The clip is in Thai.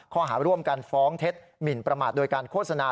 ข้อหาร่วมกันฟ้องเท็จหมินประมาทโดยการโฆษณา